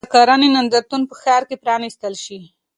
کله به د کرنې نندارتون په ښار کې پرانیستل شي؟